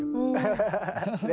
ハハハハ。ね？